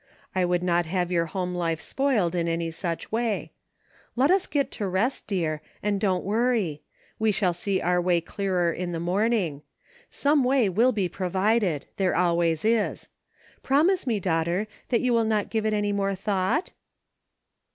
I would not have your home life spoiled in any such way. Let us get to rest, dear, and don't worry. We shall see our way clearer in the morn ing ; some way will be provided ; there always is. Promise me, daughter, that you will not give it any more thought.